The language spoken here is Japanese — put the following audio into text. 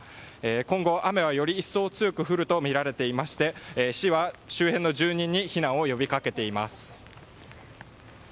今後雨はより一層強く降るとみられていまして市は、周辺の住人に避難を呼びかけています。